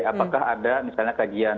apakah ada misalnya kajian